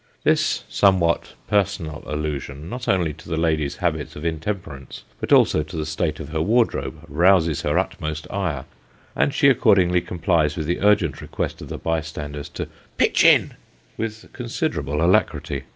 This somewhat personal allusion, not only to the lady's habits of intemperance, but also to the state of her wardrobe, rouses her utmost ire, and she accordingly complies with the urgent request of the bystanders to " pitch in," with considerable alacrity.